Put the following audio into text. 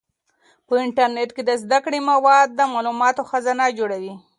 په انټرنیټ کې د زده کړې مواد د معلوماتو خزانه جوړوي.